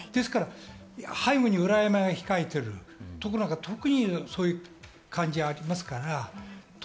背後に裏山が控えてるところなどは特にそういう感じがありますから。